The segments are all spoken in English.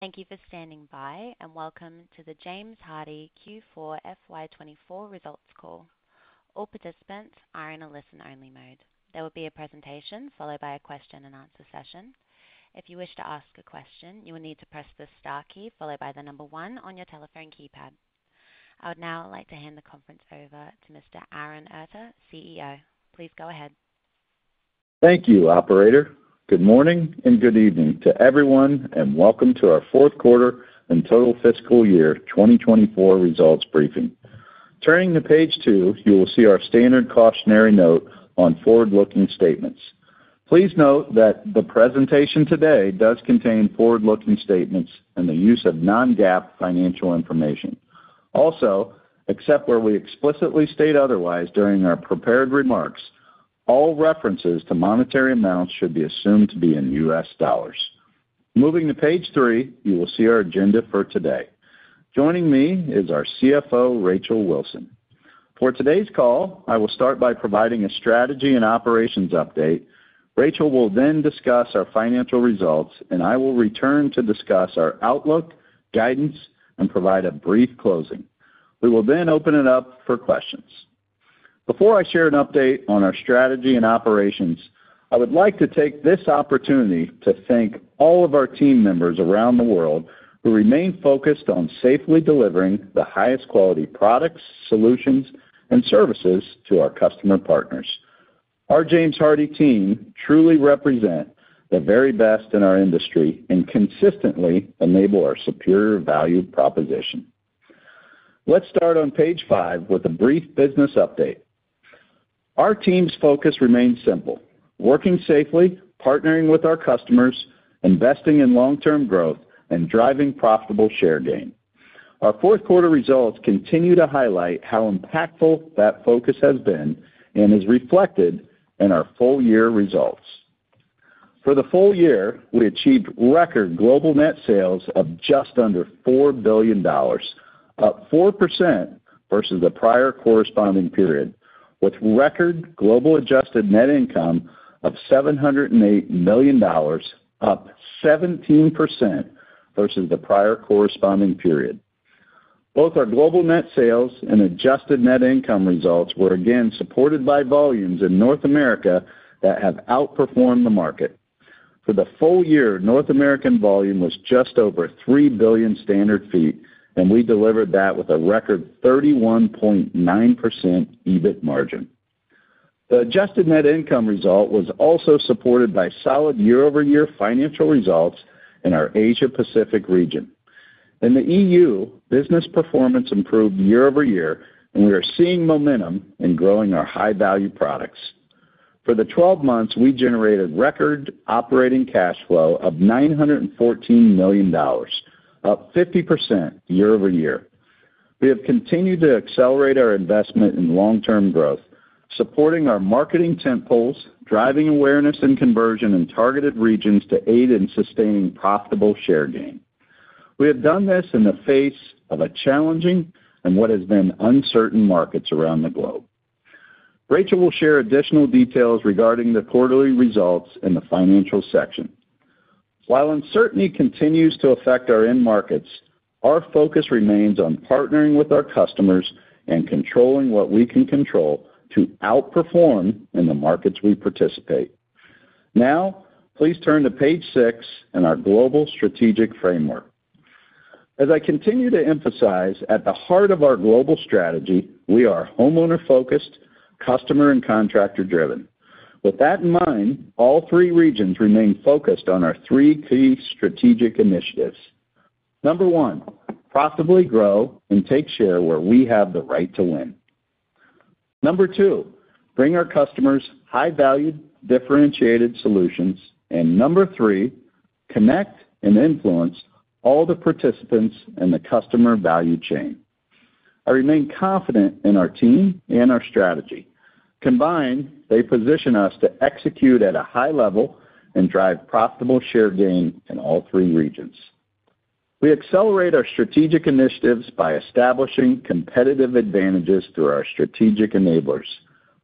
Thank you for standing by, and welcome to the James Hardie Q4 FY 2024 results call. All participants are in a listen-only mode. There will be a presentation, followed by a question-and-answer session. If you wish to ask a question, you will need to press the star key, followed by the number one on your telephone keypad. I would now like to hand the conference over to Mr. Aaron Erter, CEO. Please go ahead. Thank you, operator. Good morning, and good evening to everyone, and welcome to our fourth quarter and total fiscal year 2024 results briefing. Turning to page two, you will see our standard cautionary note on forward-looking statements. Please note that the presentation today does contain forward-looking statements and the use of non-GAAP financial information. Also, except where we explicitly state otherwise during our prepared remarks, all references to monetary amounts should be assumed to be in U.S. dollars. Moving to page three, you will see our agenda for today. Joining me is our CFO, Rachel Wilson. For today's call, I will start by providing a strategy and operations update. Rachel will then discuss our financial results, and I will return to discuss our outlook, guidance, and provide a brief closing. We will then open it up for questions. Before I share an update on our strategy and operations, I would like to take this opportunity to thank all of our team members around the world who remain focused on safely delivering the highest quality products, solutions, and services to our customer partners. Our James Hardie team truly represent the very best in our industry and consistently enable our superior value proposition. Let's start on page five with a brief business update. Our team's focus remains simple: working safely, partnering with our customers, investing in long-term growth, and driving profitable share gain. Our fourth quarter results continue to highlight how impactful that focus has been and is reflected in our full year results. For the full year, we achieved record global net sales of just under $4 billion, up 4% versus the prior corresponding period, with record global adjusted net income of $708 million, up 17% versus the prior corresponding period. Both our global net sales and adjusted net income results were again supported by volumes in North America that have outperformed the market. For the full year, North American volume was just over 3 billion standard feet, and we delivered that with a record 31.9% EBIT margin. The adjusted net income result was also supported by solid year-over-year financial results in our Asia Pacific region. In the EU, business performance improved year-over-year, and we are seeing momentum in growing our high-value products. For the 12 months, we generated record operating cash flow of $914 million, up 50% year-over-year. We have continued to accelerate our investment in long-term growth, supporting our marketing tentpoles, driving awareness and conversion in targeted regions to aid in sustaining profitable share gain. We have done this in the face of a challenging and what has been uncertain markets around the globe. Rachel will share additional details regarding the quarterly results in the financial section. While uncertainty continues to affect our end markets, our focus remains on partnering with our customers and controlling what we can control to outperform in the markets we participate. Now, please turn to page 6 in our global strategic framework. As I continue to emphasize, at the heart of our global strategy, we are homeowner-focused, customer and contractor-driven. With that in mind, all three regions remain focused on our three key strategic initiatives. Number one, profitably grow and take share where we have the right to win. Number two, bring our customers high-value, differentiated solutions. And number three, connect and influence all the participants in the customer value chain. I remain confident in our team and our strategy. Combined, they position us to execute at a high level and drive profitable share gain in all three regions. We accelerate our strategic initiatives by establishing competitive advantages through our strategic enablers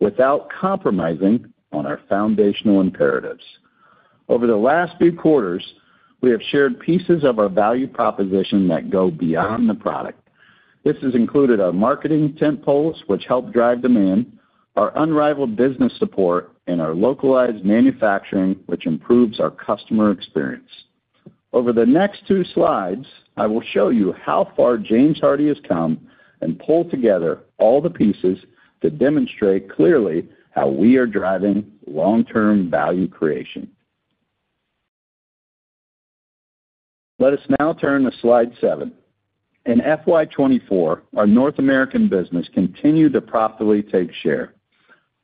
without compromising on our foundational imperatives. Over the last few quarters, we have shared pieces of our value proposition that go beyond the product. This has included our marketing tentpoles, which help drive demand, our unrivaled business support, and our localized manufacturing, which improves our customer experience. Over the next two slides, I will show you how far James Hardie has come and pull together all the pieces to demonstrate clearly how we are driving long-term value creation. Let us now turn to slide seven. In FY 2024,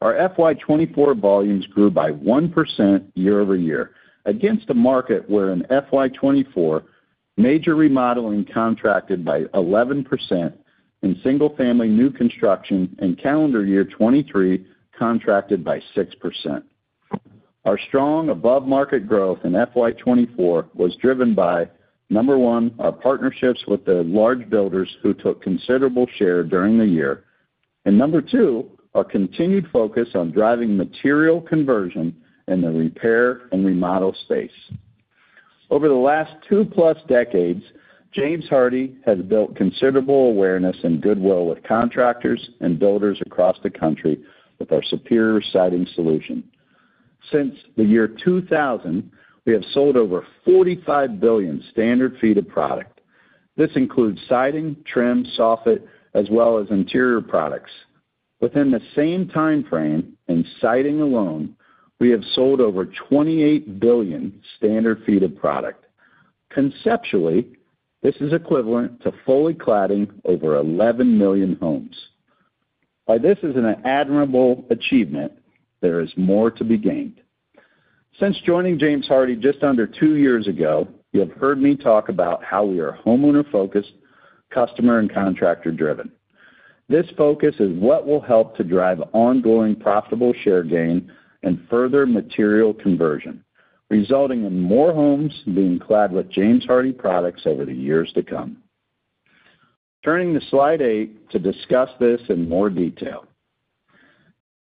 our North American business continued to profitably take share. Our FY 2024 volumes grew by 1% year-over-year against a market where in FY 2024, major remodeling contracted by 11% and single-family new construction in calendar year 2023 contracted by 6%. Our strong above-market growth in FY 2024 was driven by number one, our partnerships with the large builders who took considerable share during the year... and number two, our continued focus on driving material conversion in the repair and remodel space. Over the last two-plus decades, James Hardie has built considerable awareness and goodwill with contractors and builders across the country with our superior siding solution. Since the year 2000, we have sold over 45 billion standard feet of product. This includes siding, trim, soffit, as well as interior products. Within the same time frame, in siding alone, we have sold over 28 billion standard feet of product. Conceptually, this is equivalent to fully cladding over 11 million homes. While this is an admirable achievement, there is more to be gained. Since joining James Hardie just under two years ago, you have heard me talk about how we are homeowner-focused, customer and contractor-driven. This focus is what will help to drive ongoing profitable share gain and further material conversion, resulting in more homes being clad with James Hardie products over the years to come. Turning to slide eight to discuss this in more detail.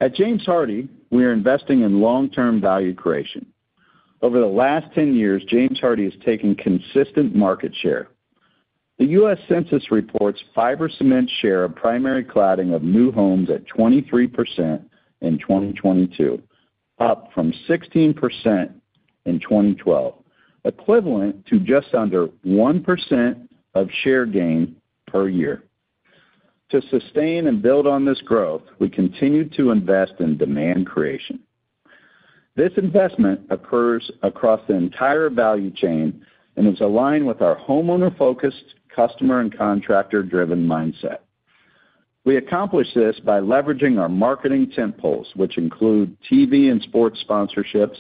At James Hardie, we are investing in long-term value creation. Over the last 10 years, James Hardie has taken consistent market share. The U.S. Census reports fiber cement share of primary cladding of new homes at 23% in 2022, up from 16% in 2012, equivalent to just under 1% of share gain per year. To sustain and build on this growth, we continue to invest in demand creation. This investment occurs across the entire value chain and is aligned with our homeowner-focused, customer and contractor-driven mindset. We accomplish this by leveraging our marketing tentpoles, which include TV and sports sponsorships,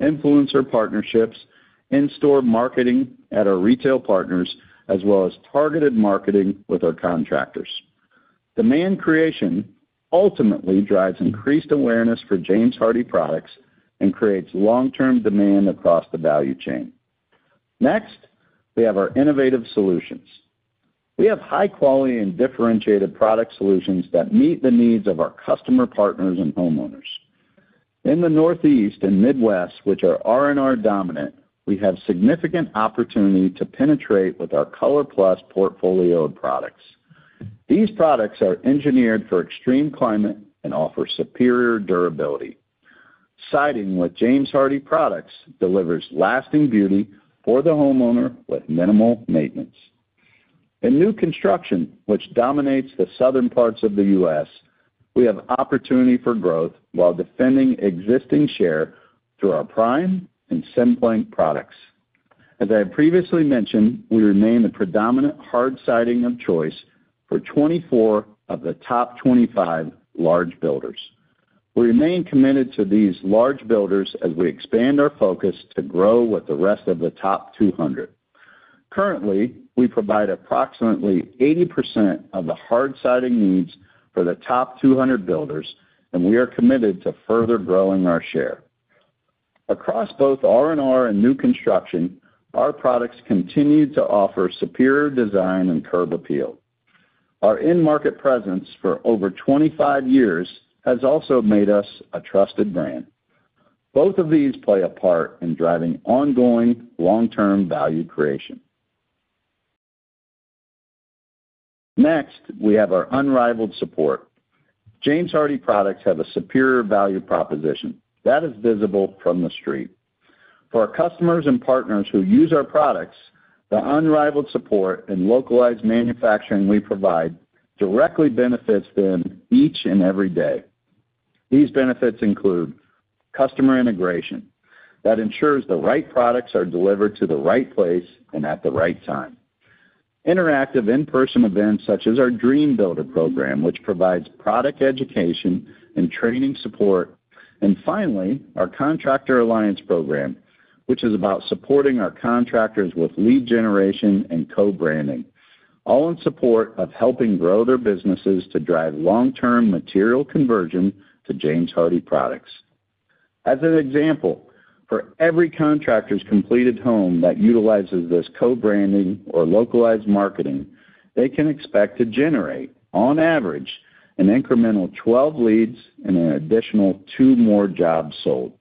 influencer partnerships, in-store marketing at our retail partners, as well as targeted marketing with our contractors. Demand creation ultimately drives increased awareness for James Hardie products and creates long-term demand across the value chain. Next, we have our innovative solutions. We have high quality and differentiated product solutions that meet the needs of our customer partners and homeowners. In the Northeast and Midwest, which are R&R dominant, we have significant opportunity to penetrate with our ColorPlus portfolio of products. These products are engineered for extreme climate and offer superior durability. Siding with James Hardie products delivers lasting beauty for the homeowner with minimal maintenance. In new construction, which dominates the southern parts of the U.S., we have opportunity for growth while defending existing share through our Prime and Cemplank products. As I have previously mentioned, we remain the predominant hard siding of choice for 24 of the top 25 large builders. We remain committed to these large builders as we expand our focus to grow with the rest of the top 200. Currently, we provide approximately 80% of the hard siding needs for the top 200 builders, and we are committed to further growing our share. Across both R&R and new construction, our products continue to offer superior design and curb appeal. Our in-market presence for over 25 years has also made us a trusted brand. Both of these play a part in driving ongoing long-term value creation. Next, we have our unrivaled support. James Hardie products have a superior value proposition that is visible from the street. For our customers and partners who use our products, the unrivaled support and localized manufacturing we provide directly benefits them each and every day. These benefits include customer integration that ensures the right products are delivered to the right place and at the right time. Interactive in-person events, such as our Dream Builder program, which provides product education and training support. Finally, our Contractor Alliance program, which is about supporting our contractors with lead generation and co-branding, all in support of helping grow their businesses to drive long-term material conversion to James Hardie products. As an example, for every contractor's completed home that utilizes this co-branding or localized marketing, they can expect to generate, on average, an incremental 12 leads and an additional two more jobs sold.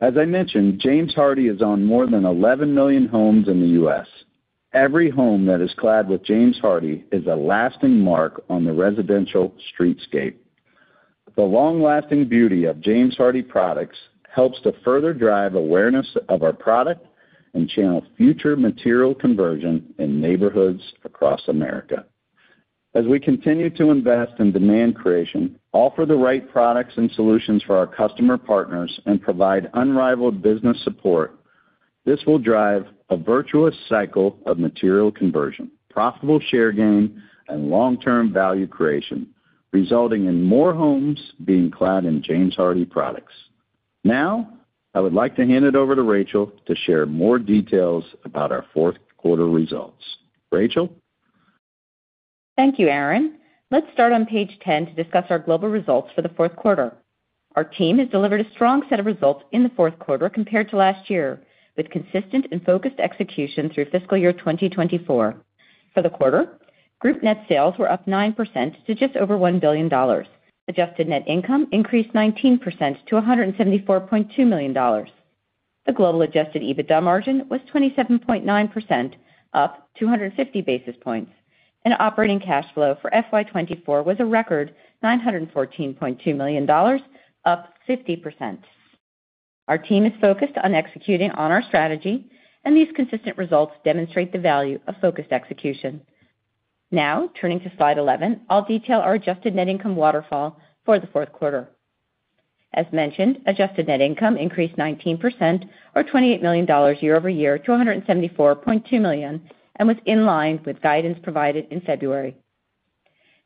As I mentioned, James Hardie is on more than 11 million homes in the U.S. Every home that is clad with James Hardie is a lasting mark on the residential streetscape. The long-lasting beauty of James Hardie products helps to further drive awareness of our product and channel future material conversion in neighborhoods across America. As we continue to invest in demand creation, offer the right products and solutions for our customer partners, and provide unrivaled business support, this will drive a virtuous cycle of material conversion, profitable share gain, and long-term value creation, resulting in more homes being clad in James Hardie products. Now, I would like to hand it over to Rachel to share more details about our fourth quarter results. Rachel? Thank you, Aaron. Let's start on page 10 to discuss our global results for the fourth quarter. Our team has delivered a strong set of results in the fourth quarter compared to last year, with consistent and focused execution through fiscal year 2024. For the quarter, group net sales were up 9% to just over $1 billion. Adjusted net income increased 19% to $174.2 million. The global adjusted EBITDA margin was 27.9%, up 250 basis points, and operating cash flow for FY 2024 was a record $914.2 million, up 50%. Our team is focused on executing on our strategy, and these consistent results demonstrate the value of focused execution. Now, turning to slide 11, I'll detail our adjusted net income waterfall for the fourth quarter. As mentioned, adjusted net income increased 19% or $28 million year-over-year to $174.2 million, and was in line with guidance provided in February.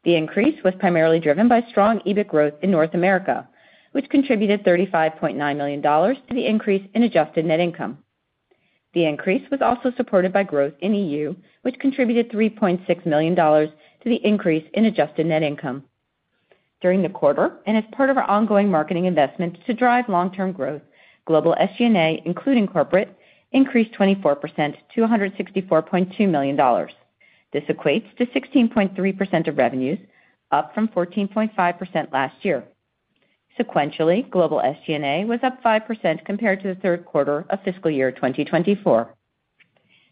The increase was primarily driven by strong EBIT growth in North America, which contributed $35.9 million to the increase in adjusted net income. The increase was also supported by growth in EU, which contributed $3.6 million to the increase in adjusted net income. During the quarter, and as part of our ongoing marketing investment to drive long-term growth, global SG&A, including corporate, increased 24% to $164.2 million. This equates to 16.3% of revenues, up from 14.5% last year. Sequentially, global SG&A was up 5% compared to the third quarter of fiscal year 2024.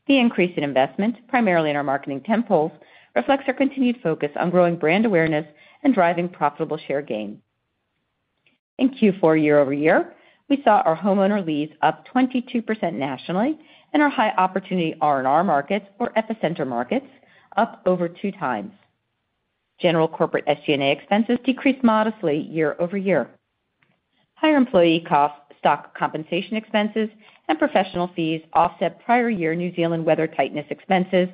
The increase in investment, primarily in our marketing tentpoles, reflects our continued focus on growing brand awareness and driving profitable share gain. In Q4, year-over-year, we saw our homeowner leads up 22% nationally and our high opportunity R&R markets or epicenter markets up over 2x. General corporate SG&A expenses decreased modestly year-over-year. Higher employee costs, stock compensation expenses, and professional fees offset prior year New Zealand weathertightness expenses,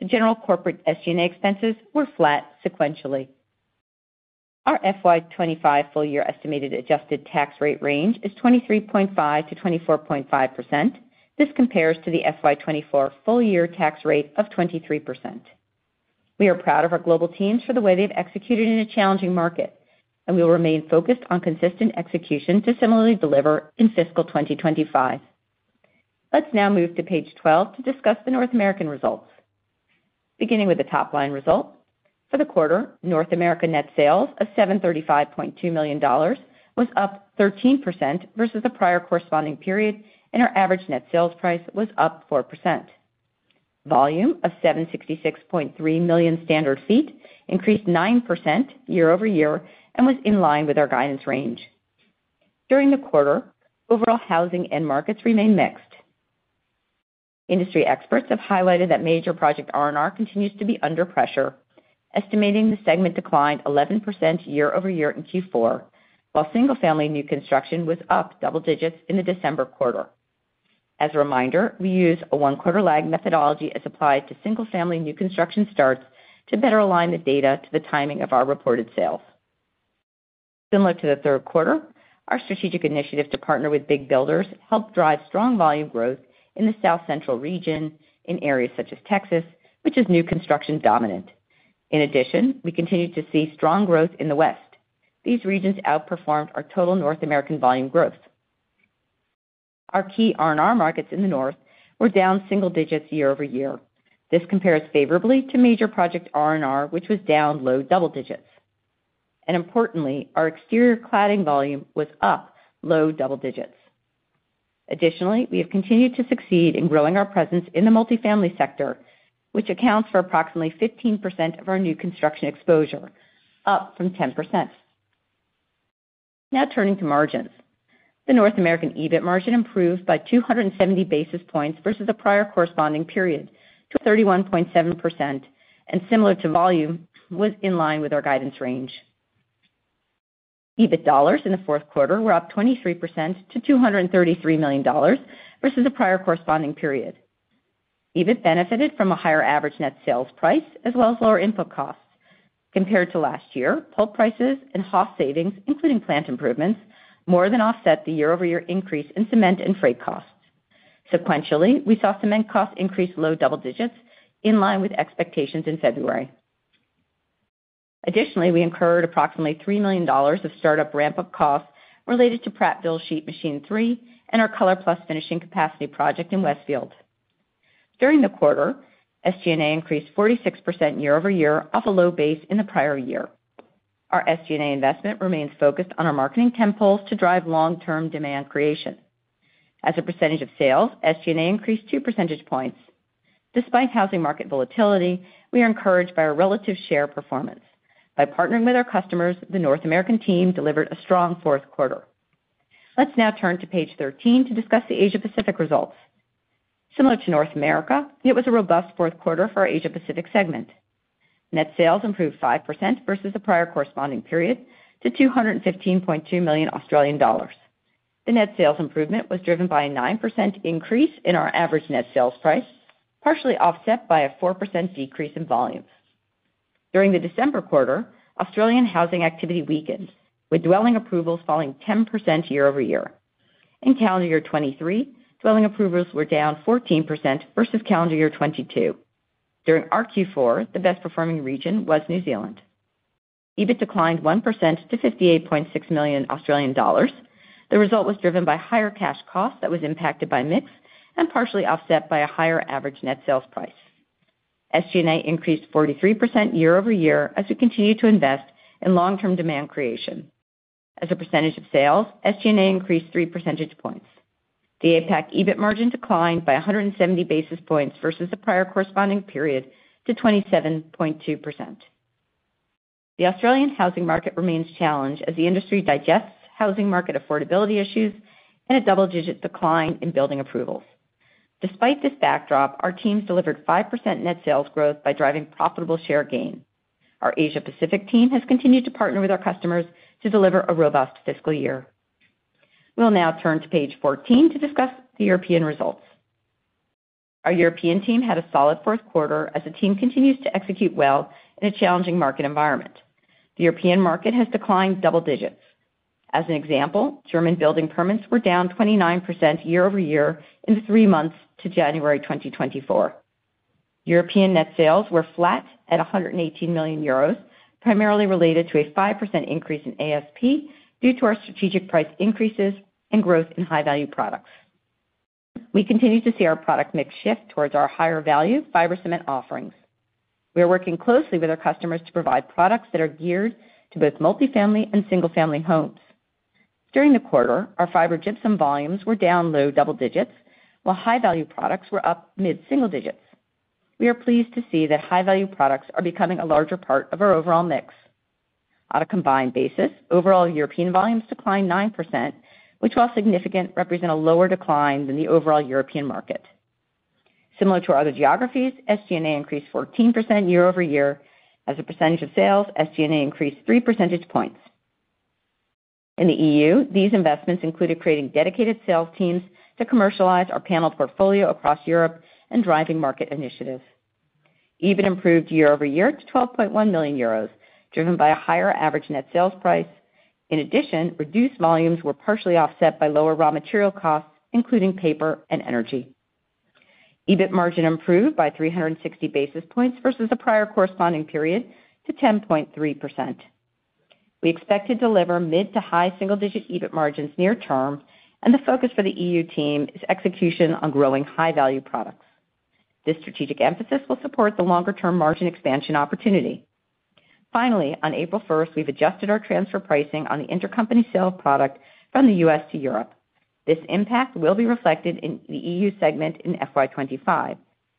so general corporate SG&A expenses were flat sequentially. Our FY 2025 full year estimated adjusted tax rate range is 23.5%-24.5%. This compares to the FY 2024 full year tax rate of 23%. We are proud of our global teams for the way they've executed in a challenging market, and we will remain focused on consistent execution to similarly deliver in fiscal 2025. Let's now move to page 12 to discuss the North American results. Beginning with the top-line results, for the quarter, North America net sales of $735.2 million was up 13% versus the prior corresponding period, and our average net sales price was up 4%. Volume of 766.3 million standard feet increased 9% year-over-year and was in line with our guidance range. During the quarter, overall housing end markets remained mixed. Industry experts have highlighted that major project R&R continues to be under pressure, estimating the segment declined 11% year-over-year in Q4, while single-family new construction was up double digits in the December quarter. As a reminder, we use a one-quarter lag methodology as applied to single-family new construction starts to better align the data to the timing of our reported sales. Similar to the third quarter, our strategic initiative to partner with big builders helped drive strong volume growth in the South Central region in areas such as Texas, which is new construction dominant. In addition, we continued to see strong growth in the West. These regions outperformed our total North American volume growth. Our key R&R markets in the North were down single digits year-over-year. This compares favorably to major project R&R, which was down low double digits. And importantly, our exterior cladding volume was up low double digits. Additionally, we have continued to succeed in growing our presence in the multifamily sector, which accounts for approximately 15% of our new construction exposure, up from 10%. Now turning to margins. The North American EBIT margin improved by 270 basis points versus the prior corresponding period to 31.7%, and similar to volume, was in line with our guidance range. EBIT dollars in the fourth quarter were up 23% to $233 million versus the prior corresponding period. EBIT benefited from a higher average net sales price, as well as lower input costs. Compared to last year, pulp prices and HOS savings, including plant improvements, more than offset the year-over-year increase in cement and freight costs. Sequentially, we saw cement costs increase low double digits, in line with expectations in February. Additionally, we incurred approximately $3 million of startup ramp-up costs related to Prattville Sheet Machine 3 and our ColorPlus finishing capacity project in Westfield. During the quarter, SG&A increased 46% year-over-year off a low base in the prior year. Our SG&A investment remains focused on our marketing tentpoles to drive long-term demand creation. As a percentage of sales, SG&A increased two percentage points. Despite housing market volatility, we are encouraged by our relative share performance. By partnering with our customers, the North American team delivered a strong fourth quarter. Let's now turn to page 13 to discuss the Asia-Pacific results. Similar to North America, it was a robust fourth quarter for our Asia-Pacific segment. Net sales improved 5% versus the prior corresponding period to 215.2 million Australian dollars. The net sales improvement was driven by a 9% increase in our average net sales price, partially offset by a 4% decrease in volume. During the December quarter, Australian housing activity weakened, with dwelling approvals falling 10% year-over-year. In calendar year 2023, dwelling approvals were down 14% versus calendar year 2022. During our Q4, the best-performing region was New Zealand. EBIT declined 1% to 58.6 million Australian dollars. The result was driven by higher cash costs that was impacted by mix, and partially offset by a higher average net sales price. SG&A increased 43% year-over-year, as we continued to invest in long-term demand creation. As a percentage of sales, SG&A increased three percentage points. The APAC EBIT margin declined by 170 basis points versus the prior corresponding period to 27.2%. The Australian housing market remains challenged as the industry digests housing market affordability issues and a double-digit decline in building approvals. Despite this backdrop, our teams delivered 5% net sales growth by driving profitable share gain. Our Asia Pacific team has continued to partner with our customers to deliver a robust fiscal year. We'll now turn to page 14 to discuss the European results. Our European team had a solid fourth quarter as the team continues to execute well in a challenging market environment. The European market has declined double digits. As an example, German building permits were down 29% year-over-year in the three months to January 2024. European net sales were flat at 118 million euros, primarily related to a 5% increase in ASP due to our strategic price increases and growth in high-value products. We continue to see our product mix shift towards our higher-value fiber cement offerings. We are working closely with our customers to provide products that are geared to both multifamily and single-family homes. During the quarter, our fiber gypsum volumes were down low double digits, while high-value products were up mid-single digits. We are pleased to see that high-value products are becoming a larger part of our overall mix. On a combined basis, overall European volumes declined 9%, which, while significant, represent a lower decline than the overall European market. Similar to our other geographies, SG&A increased 14% year-over-year. As a percentage of sales, SG&A increased three percentage points. In the EU, these investments included creating dedicated sales teams to commercialize our panel portfolio across Europe and driving market initiatives. EBIT improved year-over-year to 12.1 million euros, driven by a higher average net sales price. In addition, reduced volumes were partially offset by lower raw material costs, including paper and energy. EBIT margin improved by 360 basis points versus the prior corresponding period to 10.3%. We expect to deliver mid- to high single-digit EBIT margins near term, and the focus for the EU team is execution on growing high-value products. This strategic emphasis will support the longer-term margin expansion opportunity. Finally, on April 1st, we've adjusted our transfer pricing on the intercompany sale of product from the US to Europe. This impact will be reflected in the EU segment in FY 2025,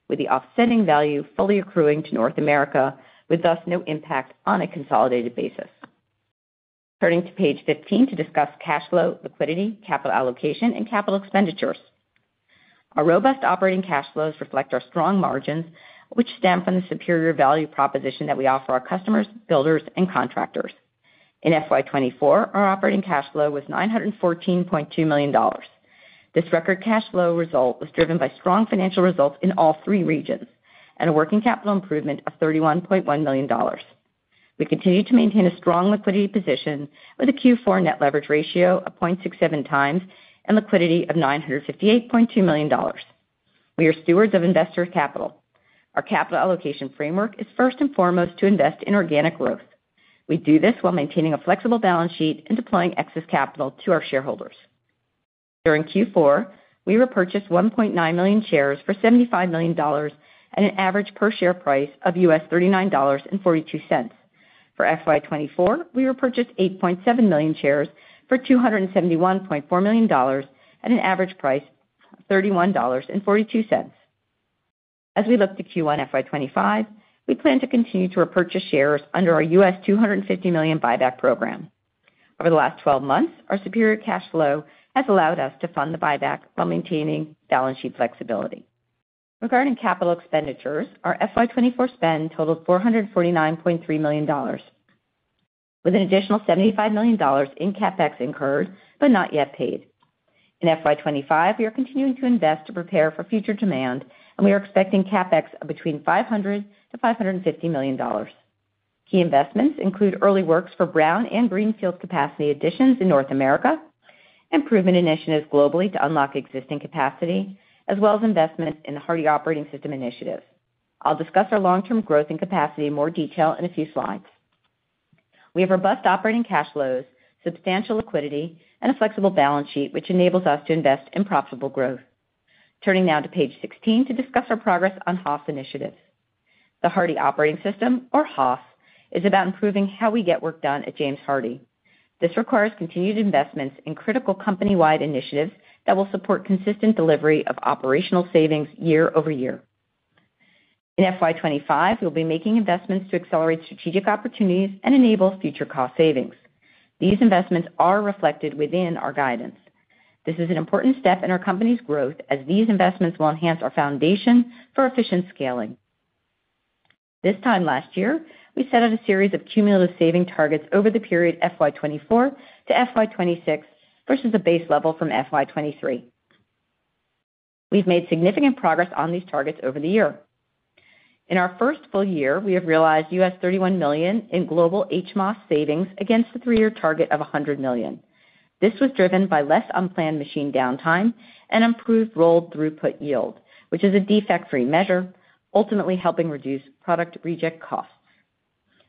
with the offsetting value fully accruing to North America, with thus no impact on a consolidated basis. Turning to page 15 to discuss cash flow, liquidity, capital allocation, and capital expenditures. Our robust operating cash flows reflect our strong margins, which stem from the superior value proposition that we offer our customers, builders, and contractors. In FY 2024, our operating cash flow was $914.2 million. This record cash flow result was driven by strong financial results in all three regions, and a working capital improvement of $31.1 million. We continue to maintain a strong liquidity position with a Q4 net leverage ratio of 0.67x and liquidity of $958.2 million. We are stewards of investor capital. Our capital allocation framework is first and foremost to invest in organic growth. We do this while maintaining a flexible balance sheet and deploying excess capital to our shareholders. During Q4, we repurchased 1.9 million shares for $75 million at an average per share price of $39.42. For FY 2024, we repurchased 8.7 million shares for $271.4 million at an average price of $31.42. As we look to Q1 FY 2025, we plan to continue to repurchase shares under our $250 million buyback program. Over the last 12 months, our superior cash flow has allowed us to fund the buyback while maintaining balance sheet flexibility. Regarding capital expenditures, our FY 2024 spend totaled $449.3 million, with an additional $75 million in CapEx incurred, but not yet paid. In FY 2025, we are continuing to invest to prepare for future demand, and we are expecting CapEx of between $500 million-$550 million. Key investments include early works for brownfield and greenfield capacity additions in North America, improvement initiatives globally to unlock existing capacity, as well as investment in the Hardie Operating System initiative. I'll discuss our long-term growth and capacity in more detail in a few slides. We have robust operating cash flows, substantial liquidity, and a flexible balance sheet, which enables us to invest in profitable growth. Turning now to page 16 to discuss our progress on HOS initiatives. The Hardie Operating System, or HOS, is about improving how we get work done at James Hardie. This requires continued investments in critical company-wide initiatives that will support consistent delivery of operational savings year-over-year. In FY 2025, we'll be making investments to accelerate strategic opportunities and enable future cost savings. These investments are reflected within our guidance. This is an important step in our company's growth as these investments will enhance our foundation for efficient scaling. This time last year, we set out a series of cumulative saving targets over the period FY 2024 to FY 2026 versus a base level from FY 2023. We've made significant progress on these targets over the year. In our first full year, we have realized $31 million in global HMOS savings against the three-year target of $100 million. This was driven by less unplanned machine downtime and improved rolled throughput yield, which is a defect-free measure, ultimately helping reduce product reject costs.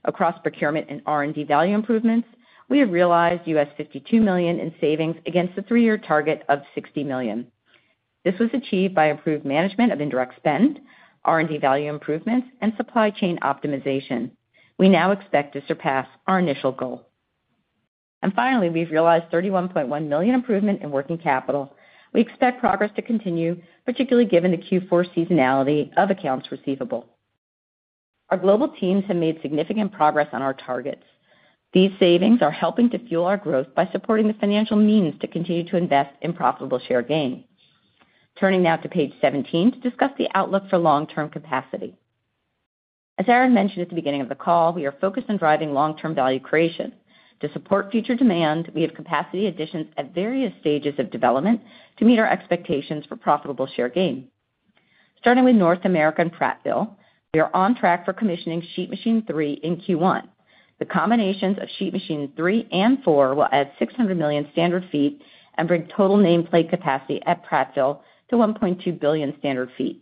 Across procurement and R&D value improvements, we have realized $52 million in savings against the three-year target of $60 million. This was achieved by improved management of indirect spend, R&D value improvements, and supply chain optimization. We now expect to surpass our initial goal. And finally, we've realized $31.1 million improvement in working capital. We expect progress to continue, particularly given the Q4 seasonality of accounts receivable. Our global teams have made significant progress on our targets. These savings are helping to fuel our growth by supporting the financial means to continue to invest in profitable share gain. Turning now to page 17 to discuss the outlook for long-term capacity. As Aaron mentioned at the beginning of the call, we are focused on driving long-term value creation. To support future demand, we have capacity additions at various stages of development to meet our expectations for profitable share gain. Starting with North America and Prattville, we are on track for commissioning Sheet Machine 3 in Q1. The combinations of Sheet Machine 3 and 4 will add 600 million standard feet and bring total nameplate capacity at Prattville to 1.2 billion standard feet.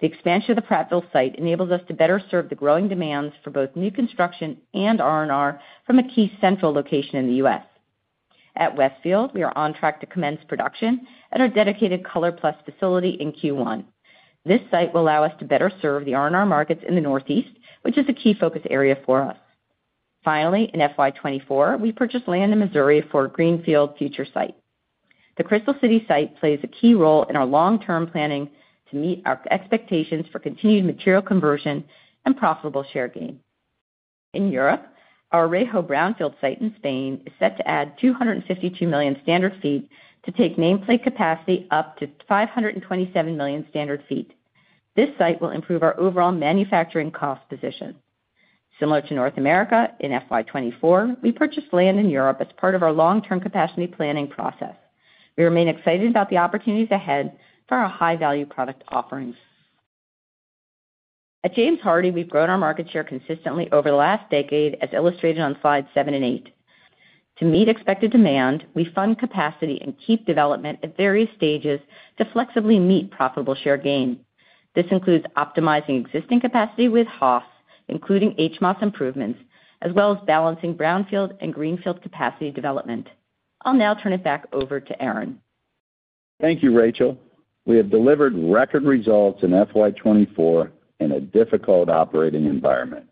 The expansion of the Prattville site enables us to better serve the growing demands for both new construction and R&R from a key central location in the U.S. At Westfield, we are on track to commence production at our dedicated ColorPlus facility in Q1. This site will allow us to better serve the R&R markets in the Northeast, which is a key focus area for us. Finally, in FY 2024, we purchased land in Missouri for a greenfield future site. The Crystal City site plays a key role in our long-term planning to meet our expectations for continued material conversion and profitable share gain. In Europe, our Orejo brownfield site in Spain is set to add 252 million standard feet to take nameplate capacity up to 527 million standard feet. This site will improve our overall manufacturing cost position. Similar to North America, in FY 2024, we purchased land in Europe as part of our long-term capacity planning process. We remain excited about the opportunities ahead for our high-value product offerings. At James Hardie, we've grown our market share consistently over the last decade, as illustrated on slides seven and eight. To meet expected demand, we fund capacity and keep development at various stages to flexibly meet profitable share gain. This includes optimizing existing capacity with HOS, including HMOS improvements, as well as balancing brownfield and greenfield capacity development. I'll now turn it back over to Aaron. Thank you, Rachel. We have delivered record results in FY 2024 in a difficult operating environment.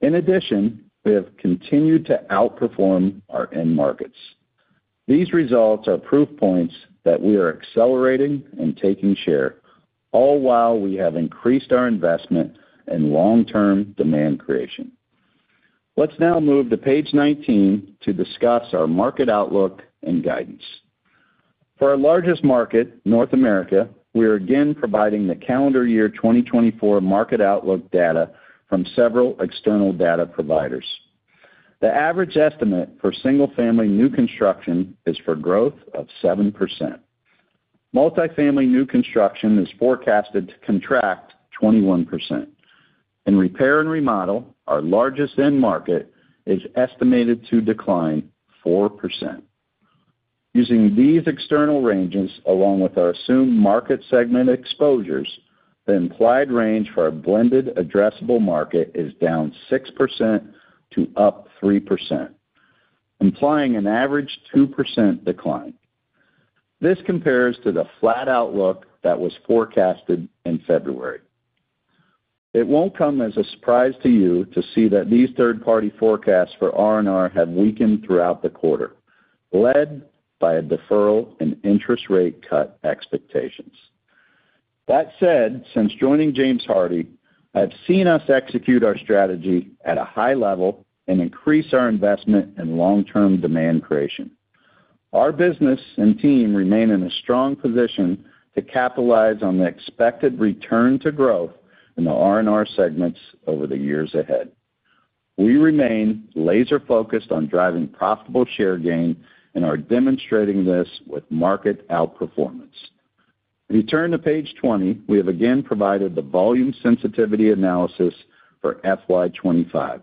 In addition, we have continued to outperform our end markets. These results are proof points that we are accelerating and taking share, all while we have increased our investment in long-term demand creation. Let's now move to page 19 to discuss our market outlook and guidance. For our largest market, North America, we are again providing the calendar year 2024 market outlook data from several external data providers. The average estimate for single-family new construction is for growth of 7%. Multifamily new construction is forecasted to contract 21%. In repair and remodel, our largest end market, is estimated to decline 4%. Using these external ranges, along with our assumed market segment exposures, the implied range for our blended addressable market is down 6% to up 3%, implying an average 2% decline. This compares to the flat outlook that was forecasted in February. It won't come as a surprise to you to see that these third-party forecasts for R&R have weakened throughout the quarter, led by a deferral in interest rate cut expectations. That said, since joining James Hardie, I've seen us execute our strategy at a high level and increase our investment in long-term demand creation. Our business and team remain in a strong position to capitalize on the expected return to growth in the R&R segments over the years ahead. We remain laser-focused on driving profitable share gain and are demonstrating this with market outperformance. If you turn to page 20, we have again provided the volume sensitivity analysis for FY 2025.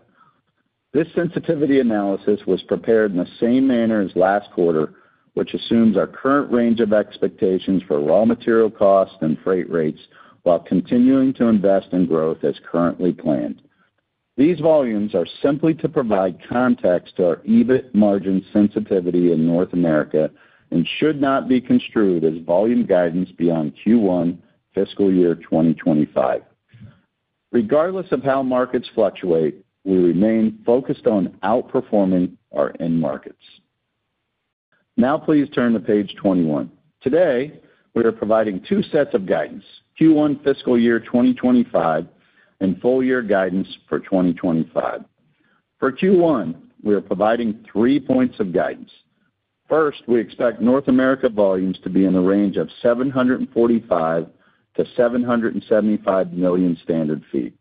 This sensitivity analysis was prepared in the same manner as last quarter, which assumes our current range of expectations for raw material costs and freight rates while continuing to invest in growth as currently planned. These volumes are simply to provide context to our EBIT margin sensitivity in North America and should not be construed as volume guidance beyond Q1 fiscal year 2025. Regardless of how markets fluctuate, we remain focused on outperforming our end markets. Now please turn to page 21. Today, we are providing two sets of guidance, Q1 fiscal year 2025 and full year guidance for 2025. For Q1, we are providing three points of guidance. First, we expect North America volumes to be in the range of 745 million-775 million standard feet.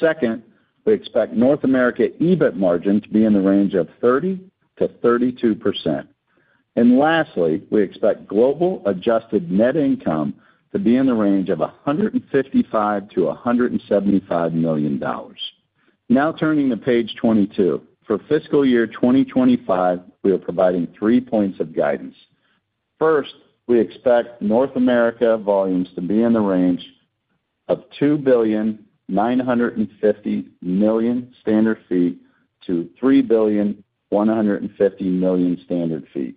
Second, we expect North America EBIT margin to be in the range of 30%-32%. And lastly, we expect global adjusted net income to be in the range of $155 million-$175 million. Now turning to page 22. For fiscal year 2025, we are providing three points of guidance. First, we expect North America volumes to be in the range of 2.95 billion-3.15 billion standard feet.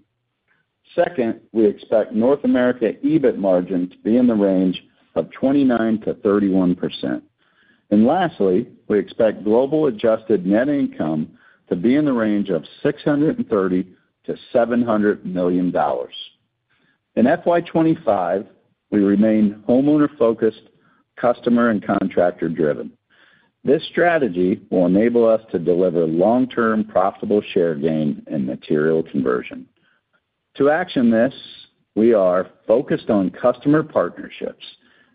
Second, we expect North America EBIT margin to be in the range of 29%-31%. Lastly, we expect global adjusted net income to be in the range of $630 million-$700 million. In FY 2025, we remain homeowner-focused, customer and contractor-driven. This strategy will enable us to deliver long-term profitable share gain and material conversion. To action this, we are focused on customer partnerships.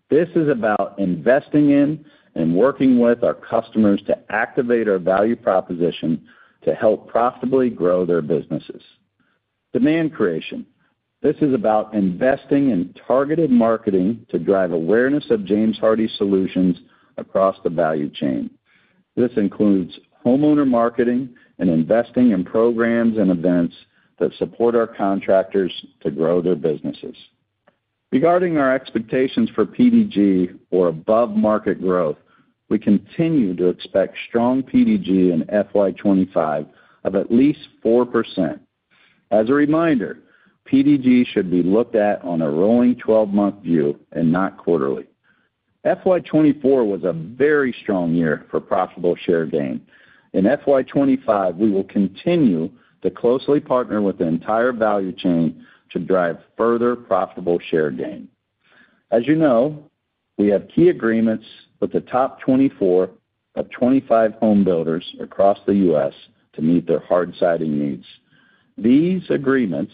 This is about investing in and working with our customers to activate our value proposition to help profitably grow their businesses. Demand creation. This is about investing in targeted marketing to drive awareness of James Hardie solutions across the value chain. This includes homeowner marketing and investing in programs and events that support our contractors to grow their businesses. Regarding our expectations for PDG or above-market growth, we continue to expect strong PDG in FY 2025 of at least 4%. As a reminder, PDG should be looked at on a rolling 12-month view and not quarterly. FY 2024 was a very strong year for profitable share gain. In FY 2025, we will continue to closely partner with the entire value chain to drive further profitable share gain. As you know, we have key agreements with the top 24 of 25 home builders across the U.S. to meet their hard siding needs. These agreements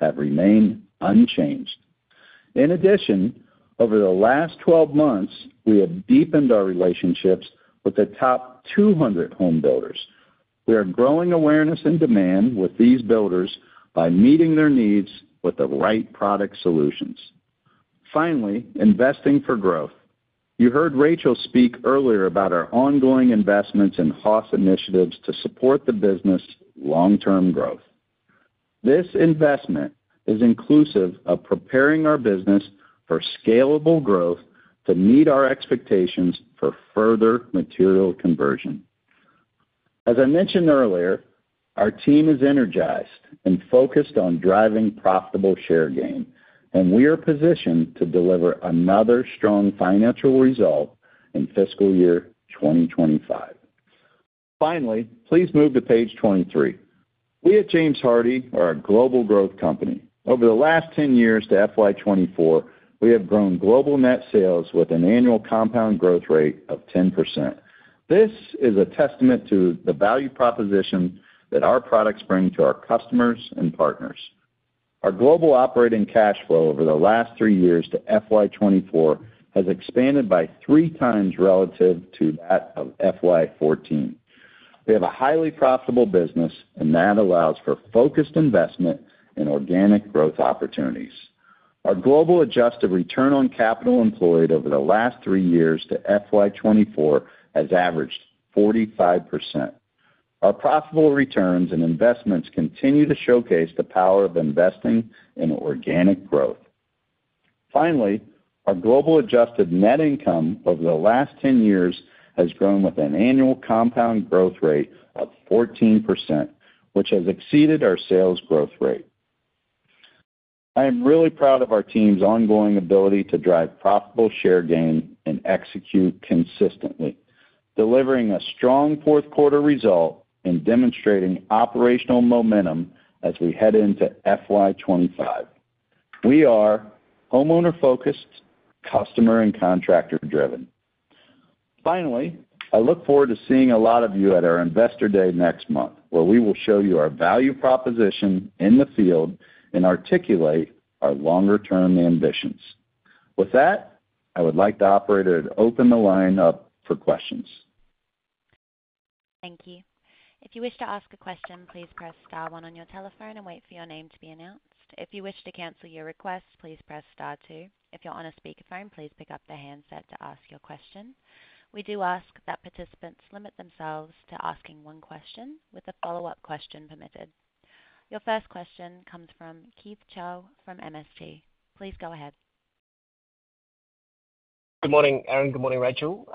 have remained unchanged. In addition, over the last 12 months, we have deepened our relationships with the top 200 home builders. We are growing awareness and demand with these builders by meeting their needs with the right product solutions. Finally, investing for growth. You heard Rachel speak earlier about our ongoing investments in HOS initiatives to support the business long-term growth. This investment is inclusive of preparing our business for scalable growth to meet our expectations for further material conversion. As I mentioned earlier, our team is energized and focused on driving profitable share gain, and we are positioned to deliver another strong financial result in fiscal year 2025. Finally, please move to page 23. We at James Hardie are a global growth company. Over the last 10 years to FY 2024, we have grown global net sales with an annual compound growth rate of 10%. This is a testament to the value proposition that our products bring to our customers and partners. Our global operating cash flow over the last three years to FY 2024 has expanded by 3x relative to that of FY 2014. We have a highly profitable business, and that allows for focused investment in organic growth opportunities. Our global adjusted return on capital employed over the last three years to FY 2024 has averaged 45%. Our profitable returns and investments continue to showcase the power of investing in organic growth. Finally, our global adjusted net income over the last ten years has grown with an annual compound growth rate of 14%, which has exceeded our sales growth rate. I am really proud of our team's ongoing ability to drive profitable share gain and execute consistently, delivering a strong fourth quarter result and demonstrating operational momentum as we head into FY 2025. We are homeowner-focused, customer and contractor-driven. Finally, I look forward to seeing a lot of you at our Investor Day next month, where we will show you our value proposition in the field and articulate our longer-term ambitions. With that, I would like the operator to open the line up for questions. Thank you. If you wish to ask a question, please press star one on your telephone and wait for your name to be announced. If you wish to cancel your request, please press star two. If you're on a speakerphone, please pick up the handset to ask your question. We do ask that participants limit themselves to asking one question, with a follow-up question permitted. Your first question comes from Keith Chau from MST. Please go ahead. Good morning, Aaron. Good morning, Rachel.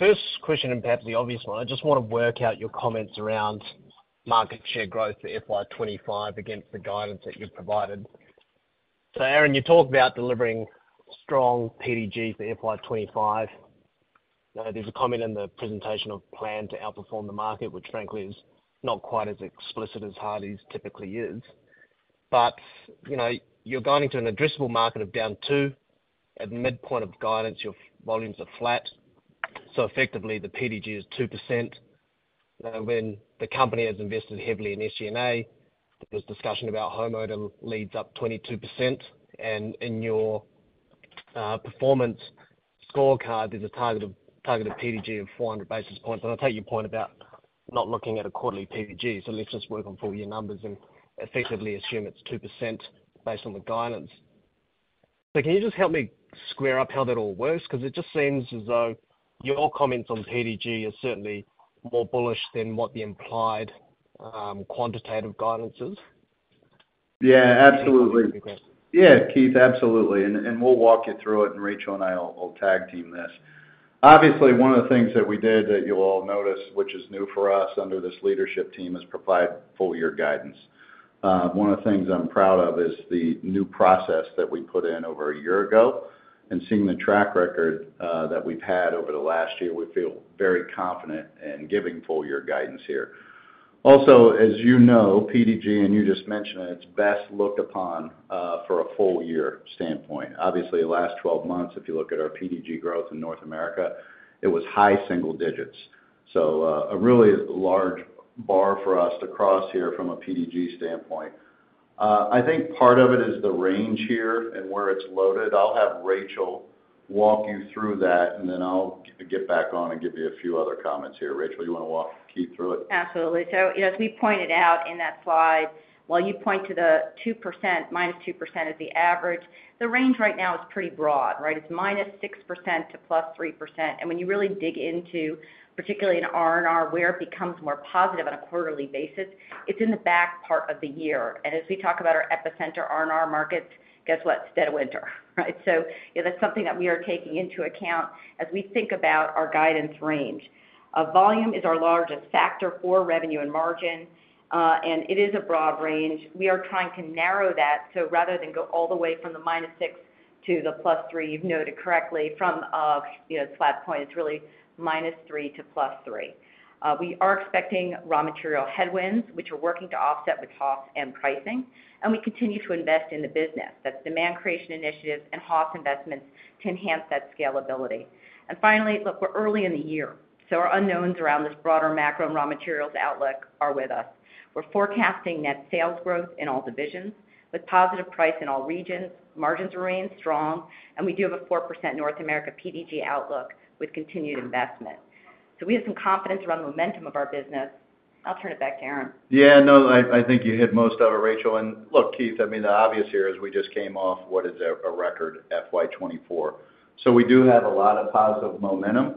First question, and perhaps the obvious one, I just want to work out your comments around market share growth for FY 2025 against the guidance that you've provided. So Aaron, you talked about delivering strong PDG for FY 2025. There's a comment in the presentation of plan to outperform the market, which frankly, is not quite as explicit as Hardie's typically is. But, you know, you're guiding to an addressable market of down 2%. At midpoint of guidance, your volumes are flat, so effectively, the PDG is 2%.... When the company has invested heavily in SG&A, there's discussion about home remodel leads up 22%, and in your performance scorecard, there's a target of PDG of 400 basis points. And I take your point about not looking at a quarterly PDG, so let's just work on full year numbers and effectively assume it's 2% based on the guidance. So can you just help me square up how that all works? 'Cause it just seems as though your comments on PDG are certainly more bullish than what the implied quantitative guidance is. Yeah, absolutely. Yeah, Keith, absolutely. And we'll walk you through it, and Rachel and I will tag team this. Obviously, one of the things that we did that you'll all notice, which is new for us under this leadership team, is provide full year guidance. One of the things I'm proud of is the new process that we put in over a year ago. And seeing the track record that we've had over the last year, we feel very confident in giving full year guidance here. Also, as you know, PDG, and you just mentioned it, it's best looked upon for a full year standpoint. Obviously, the last twelve months, if you look at our PDG growth in North America, it was high single digits, so a really large bar for us to cross here from a PDG standpoint. I think part of it is the range here and where it's loaded. I'll have Rachel walk you through that, and then I'll get back on and give you a few other comments here. Rachel, you wanna walk Keith through it? Absolutely. So as we pointed out in that slide, while you point to the 2%, -2% is the average, the range right now is pretty broad, right? It's -6% to +3%. And when you really dig into, particularly in R&R, where it becomes more positive on a quarterly basis, it's in the back part of the year. And as we talk about our epicenter R&R markets, guess what? It's dead of winter, right? So, you know, that's something that we are taking into account as we think about our guidance range. Volume is our largest factor for revenue and margin, and it is a broad range. We are trying to narrow that, so rather than go all the way from -6% to +3%, you've noted correctly, from, you know, starting point, it's really -3% to +3%. We are expecting raw material headwinds, which we're working to offset with HOS and pricing, and we continue to invest in the business. That's demand creation initiatives and HOS investments to enhance that scalability. And finally, look, we're early in the year, so our unknowns around this broader macro and raw materials outlook are with us. We're forecasting net sales growth in all divisions with positive price in all regions, margins remain strong, and we do have a 4% North America PDG outlook with continued investment. So we have some confidence around the momentum of our business. I'll turn it back to Aaron. Yeah, no, I think you hit most of it, Rachel. And look, Keith, I mean, the obvious here is we just came off what is a record FY 2024. So we do have a lot of positive momentum.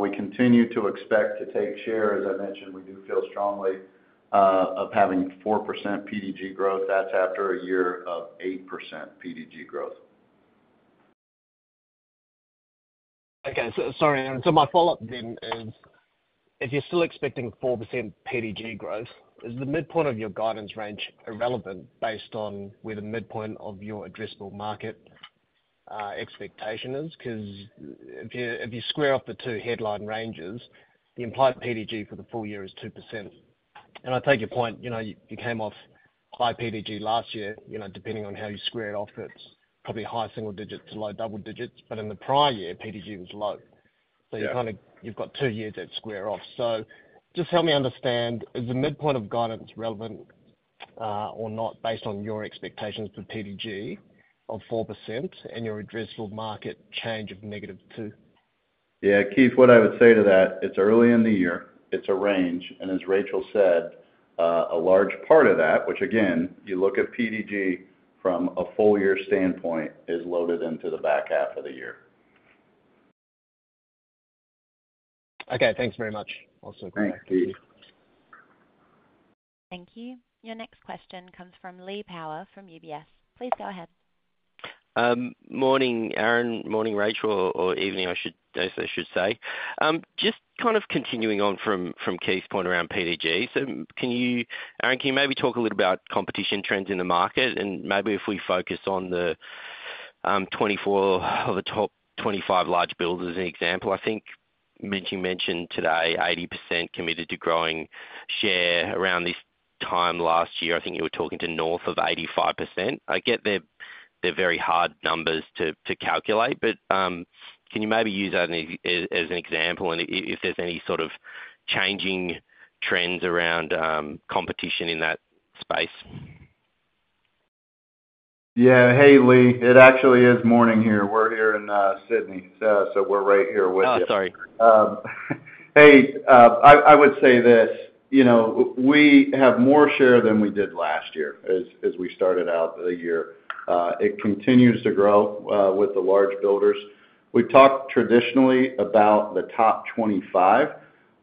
We continue to expect to take share. As I mentioned, we do feel strongly of having 4% PDG growth. That's after a year of 8% PDG growth. Okay, so sorry, Aaron. So my follow-up then is, if you're still expecting 4% PDG growth, is the midpoint of your guidance range irrelevant based on where the midpoint of your addressable market expectation is? 'Cause if you, if you square off the two headline ranges, the implied PDG for the full year is 2%. And I take your point, you know, you came off high PDG last year, you know, depending on how you square it off, it's probably high single digits to low double digits. But in the prior year, PDG was low. Yeah. So you kind of have two years that square off. So just help me understand, is the midpoint of guidance relevant, or not, based on your expectations for PDG of 4% and your addressable market change of -2%? Yeah, Keith, what I would say to that, it's early in the year, it's a range, and as Rachel said, a large part of that, which again, you look at PDG from a full year standpoint, is loaded into the back half of the year. Okay, thanks very much. I'll circle back. Thanks, Keith. Thank you. Your next question comes from Lee Power, from UBS. Please go ahead. Morning, Aaron. Morning, Rachel, or evening, I should say. Just kind of continuing on from Keith's point around PDG. So can you... Aaron, can you maybe talk a little about competition trends in the market, and maybe if we focus on the 24 or the top 25 large builders, as an example? I think you mentioned today 80% committed to growing share around this time last year. I think you were talking to north of 85%. I get they're very hard numbers to calculate, but can you maybe use that as an example, and if there's any sort of changing trends around competition in that space? Yeah. Hey, Lee, it actually is morning here. We're here in Sydney, so we're right here with you. Oh, sorry. I would say this: you know, we have more share than we did last year as we started out the year. It continues to grow with the large builders. We've talked traditionally about the top 25.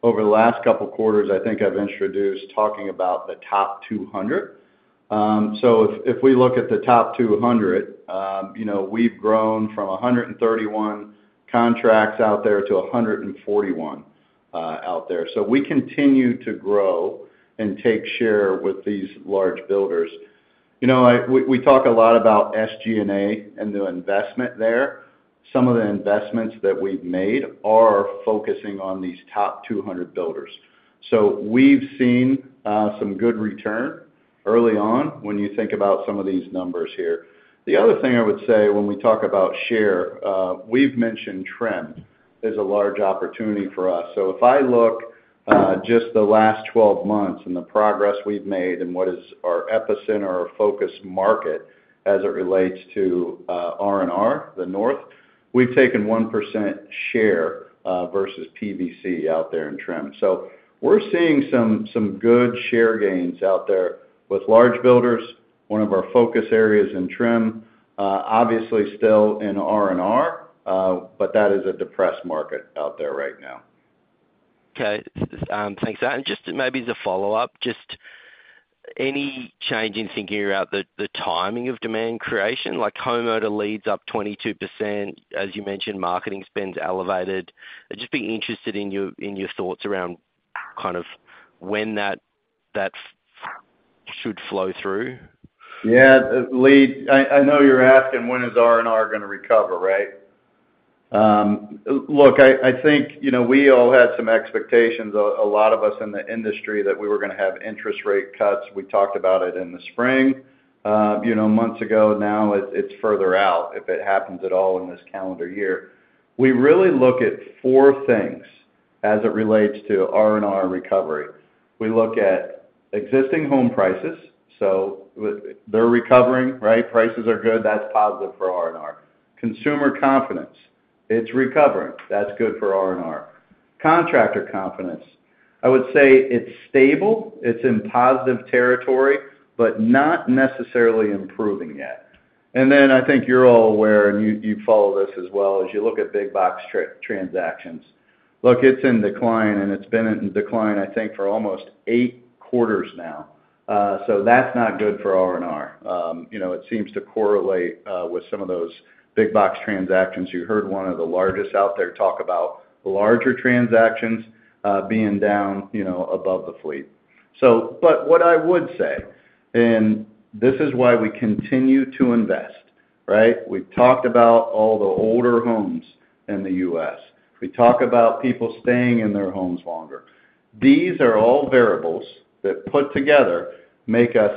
Over the last couple of quarters, I think I've introduced talking about the top 200. So if we look at the top 200, you know, we've grown from 131 contracts out there to 141 out there. So we continue to grow and take share with these large builders. You know, we talk a lot about SG&A and the investment there. Some of the investments that we've made are focusing on these top 200 builders. So we've seen some good return. Early on, when you think about some of these numbers here. The other thing I would say when we talk about share, we've mentioned trim is a large opportunity for us. So if I look, just the last 12 months and the progress we've made in what is our epicenter or our focus market as it relates to R&R, the Northeast, we've taken 1% share versus PVC out there in trim. So we're seeing some, some good share gains out there with large builders, one of our focus areas in trim, obviously still in R&R, but that is a depressed market out there right now. Okay. Thanks, Aaron. And just maybe as a follow-up, just any change in thinking about the timing of demand creation, like homeowner leads up 22%, as you mentioned, marketing spends elevated. I'd just be interested in your thoughts around kind of when that should flow through. Yeah, Lee, I know you're asking when is R&R gonna recover, right? Look, I think, you know, we all had some expectations, a lot of us in the industry, that we were gonna have interest rate cuts. We talked about it in the spring, you know, months ago. Now it's further out, if it happens at all in this calendar year. We really look at four things as it relates to R&R recovery. We look at existing home prices. So they're recovering, right? Prices are good. That's positive for R&R. Consumer confidence, it's recovering. That's good for R&R. Contractor confidence, I would say it's stable, it's in positive territory, but not necessarily improving yet. And then I think you're all aware, and you follow this as well, as you look at big box transactions. Look, it's in decline, and it's been in decline, I think, for almost eight quarters now. So that's not good for R&R. You know, it seems to correlate with some of those big box transactions. You heard one of the largest out there talk about larger transactions being down, you know, above the fleet. So but what I would say, and this is why we continue to invest, right? We've talked about all the older homes in the U.S. We talk about people staying in their homes longer. These are all variables that put together, make us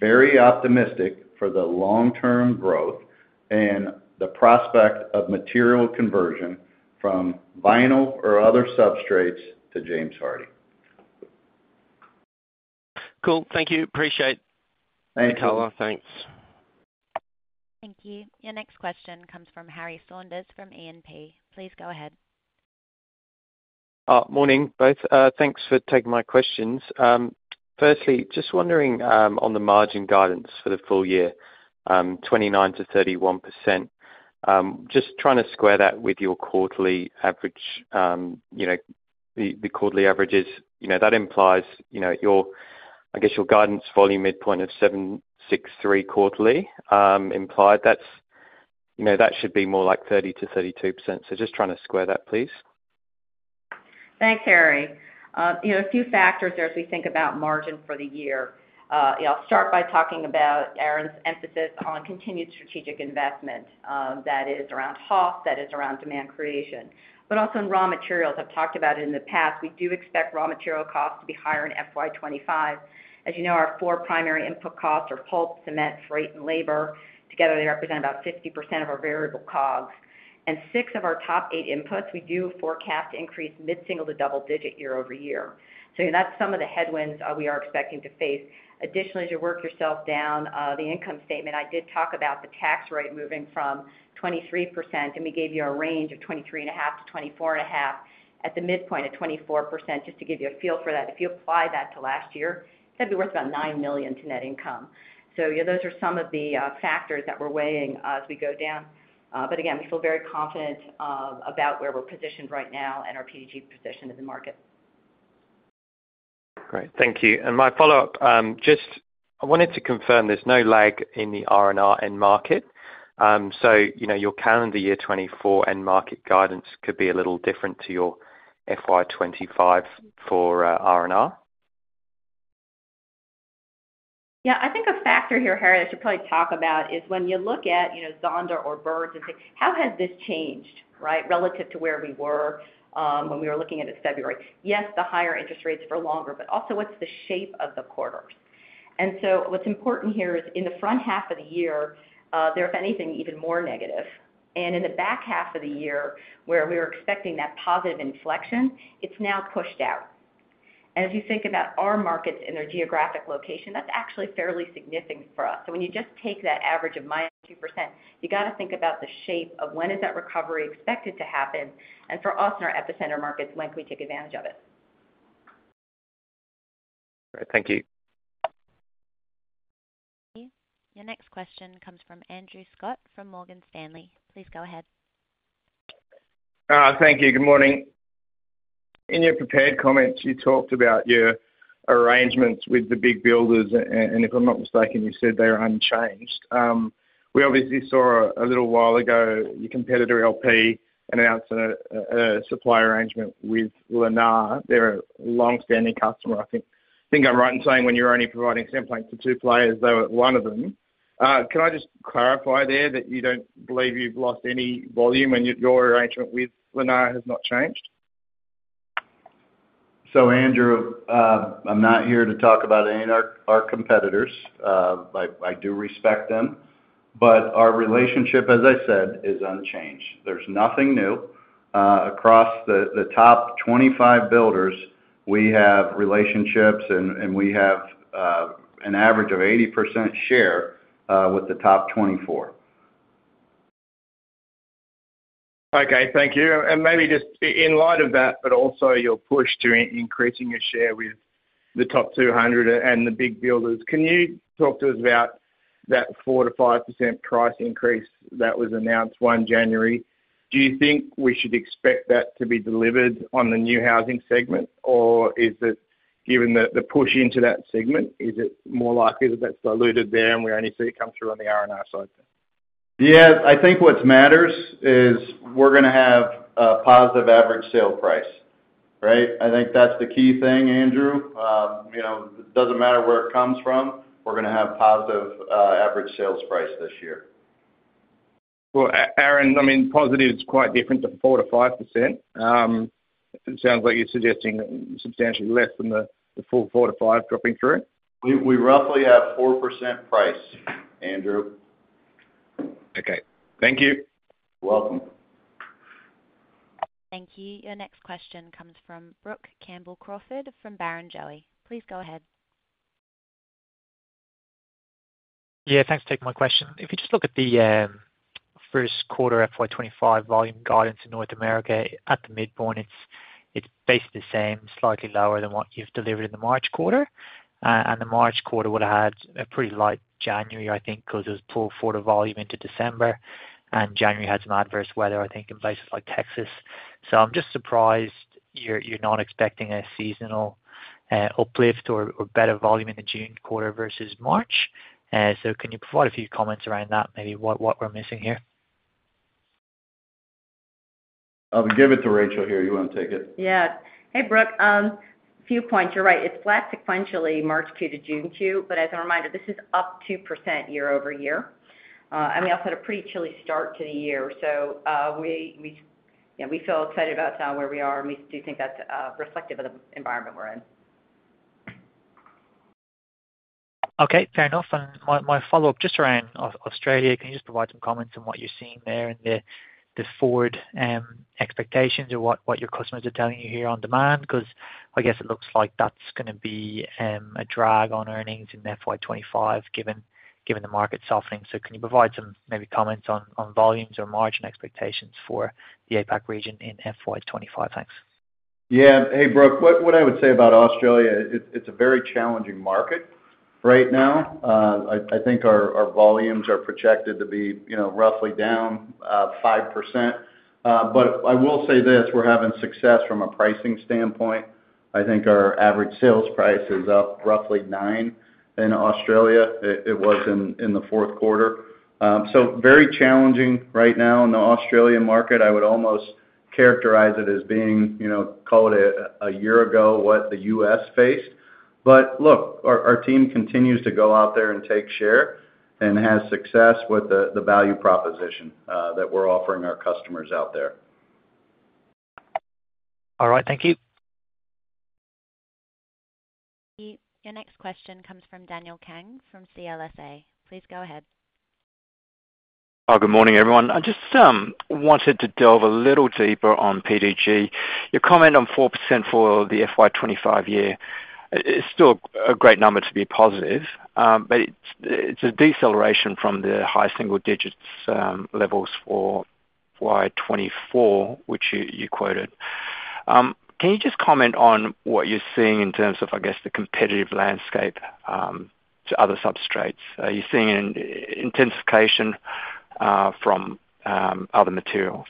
very optimistic for the long-term growth and the prospect of material conversion from vinyl or other substrates to James Hardie. Cool. Thank you. Appreciate it. Thank you. Many color, thanks. Thank you. Your next question comes from Harry Saunders from E&P. Please go ahead. Morning, both. Thanks for taking my questions. Firstly, just wondering, on the margin guidance for the full year, 29%-31%. Just trying to square that with your quarterly average, you know, the, the quarterly averages. You know, that implies, you know, your, I guess, your guidance volume midpoint of 763 quarterly, implied. You know, that should be more like 30%-32%. So just trying to square that, please. Thanks, Harry. You know, a few factors as we think about margin for the year. Yeah, I'll start by talking about Aaron's emphasis on continued strategic investment, that is around HOS, that is around demand creation, but also in raw materials. I've talked about it in the past. We do expect raw material costs to be higher in FY 2025. As you know, our four primary input costs are pulp, cement, freight, and labor. Together, they represent about 50% of our variable COGS. And six of our top eight inputs, we do forecast to increase mid-single- to double-digit year-over-year. So that's some of the headwinds, we are expecting to face. Additionally, as you work yourself down, the income statement, I did talk about the tax rate moving from 23%, and we gave you a range of 23.5%-24.5% at the midpoint of 24%, just to give you a feel for that. If you apply that to last year, it'd be worth about $9 million to net income. So yeah, those are some of the factors that we're weighing as we go down. But again, we feel very confident about where we're positioned right now and our PDG position in the market. Great. Thank you. My follow-up, just I wanted to confirm there's no lag in the R&R end market. So, you know, your calendar year 2024 end market guidance could be a little different to your FY 2025 for R&R? Yeah, I think a factor here, Harry, I should probably talk about, is when you look at, you know, Zonda or Burns and say, "How has this changed, right? Relative to where we were, when we were looking at it in February." Yes, the higher interest rates for longer, but also, what's the shape of the quarters? And so what's important here is in the front half of the year, they're, if anything, even more negative, and in the back half of the year, where we were expecting that positive inflection, it's now pushed out. As you think about our markets and their geographic location, that's actually fairly significant for us. When you just take that average of -2%, you got to think about the shape of when is that recovery expected to happen, and for us, in our epicenter markets, when can we take advantage of it. All right. Thank you. Your next question comes from Andrew Scott, from Morgan Stanley. Please go ahead. Thank you. Good morning. In your prepared comments, you talked about your arrangements with the big builders, and if I'm not mistaken, you said they are unchanged. We obviously saw a little while ago, your competitor, LP, announce a supply arrangement with Lennar. They're a long-standing customer. I think I'm right in saying when you're only providing sampling to two players, they were one of them. Can I just clarify there that you don't believe you've lost any volume and your arrangement with Lennar has not changed? So, Andrew, I'm not here to talk about any of our, our competitors. But I do respect them. But our relationship, as I said, is unchanged. There's nothing new. Across the top 25 builders, we have relationships, and we have an average of 80% share with the top 24. Okay, thank you. And maybe just in light of that, but also your push to increasing your share with the top 200 and the big builders, can you talk to us about that 4%-5% price increase that was announced on January? Do you think we should expect that to be delivered on the new housing segment? Or is it, given the push into that segment, is it more likely that that's diluted there, and we only see it come through on the R&R side? Yeah, I think what matters is we're gonna have a positive average sale price. Right? I think that's the key thing, Andrew. You know, it doesn't matter where it comes from, we're gonna have positive average sales price this year. Well, Aaron, I mean, positive is quite different to 4%-5%. It sounds like you're suggesting substantially less than the full 4%-5% dropping through. We roughly have 4% price, Andrew. Okay. Thank you. You're welcome. Thank you. Your next question comes from Brook Campbell-Crawford of Barrenjoey. Please go ahead. Yeah, thanks for taking my question. If you just look at the first quarter FY 2025 volume guidance in North America, at the midpoint, it's basically the same, slightly lower than what you've delivered in the March quarter. And the March quarter would've had a pretty light January, I think, 'cause it was pulled for the volume into December, and January had some adverse weather, I think, in places like Texas. So I'm just surprised you're not expecting a seasonal uplift or better volume in the June quarter versus March. So can you provide a few comments around that? Maybe what we're missing here. I'll give it to Rachel here. You want to take it? Yeah. Hey, Brook. A few points. You're right. It's flat sequentially, March Q to June Q, but as a reminder, this is up 2% year-over-year. And we also had a pretty chilly start to the year. So, yeah, we feel excited about where we are, and we do think that's reflective of the environment we're in. Okay, fair enough. And my follow-up, just around Australia, can you just provide some comments on what you're seeing there and the forward expectations, or what your customers are telling you here on demand? 'Cause I guess it looks like that's gonna be a drag on earnings in FY 2025, given the market softening. So can you provide some maybe comments on volumes or margin expectations for the APAC region in FY 2025? Thanks. Yeah. Hey, Brook, what, what I would say about Australia, it's, it's a very challenging market right now. I think our volumes are projected to be, you know, roughly down 5%. But I will say this: we're having success from a pricing standpoint. I think our average sales price is up roughly 9% in Australia. It was in the fourth quarter. So very challenging right now in the Australian market. I would almost characterize it as being, you know, call it a year ago, what the U.S. faced. But look, our team continues to go out there and take share, and has success with the value proposition that we're offering our customers out there. All right, thank you. Your next question comes from Daniel Kang from CLSA. Please go ahead. Good morning, everyone. I just wanted to delve a little deeper on PDG. Your comment on 4% for the FY 2025 year is still a great number to be positive, but it's, it's a deceleration from the high single digits levels for FY 2024, which you, you quoted. Can you just comment on what you're seeing in terms of, I guess, the competitive landscape to other substrates? Are you seeing an intensification from other materials?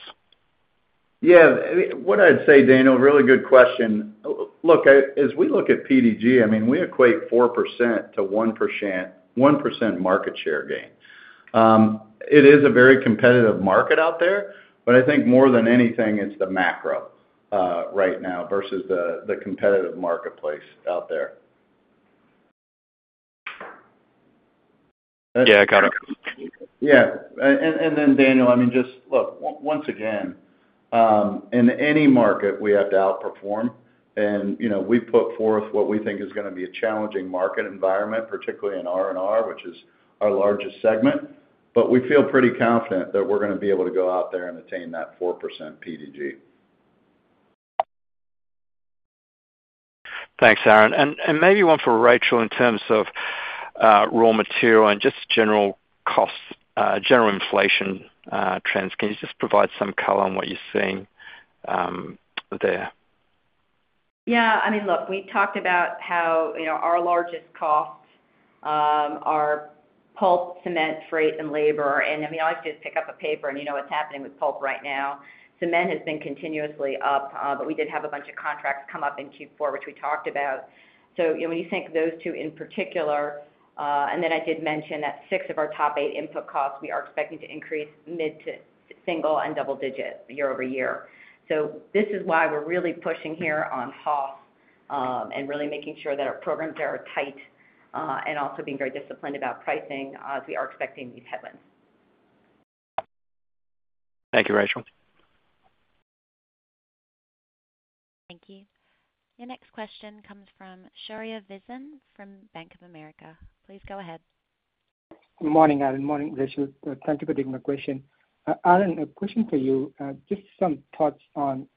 Yeah. What I'd say, Daniel, really good question. Look, as we look at PDG, I mean, we equate 4% to 1%, 1% market share gain. It is a very competitive market out there, but I think more than anything, it's the macro, right now versus the competitive marketplace out there. Yeah, got it. Yeah. And then, Daniel, I mean, just look, once again, in any market, we have to outperform. And, you know, we've put forth what we think is gonna be a challenging market environment, particularly in R&R, which is our largest segment, but we feel pretty confident that we're gonna be able to go out there and attain that 4% PDG. Thanks, Aaron. And maybe one for Rachel in terms of raw material and just general costs, general inflation, trends. Can you just provide some color on what you're seeing there? Yeah, I mean, look, we talked about how, you know, our largest costs are pulp, cement, freight, and labor. I mean, all you do is pick up a paper, and you know what's happening with pulp right now. Cement has been continuously up, but we did have a bunch of contracts come up in Q4, which we talked about. So, you know, when you think those two in particular, and then I did mention that six of our top eight input costs, we are expecting to increase mid-single to double-digit year-over-year. So this is why we're really pushing here on HOS, and really making sure that our programs are tight, and also being very disciplined about pricing, as we are expecting these headwinds. Thank you, Rachel. Thank you. Your next question comes from Shaurya Visen from Bank of America. Please go ahead. Good morning, Aaron. Morning, Rachel. Thank you for taking my question. Aaron, a question for you. Just some thoughts on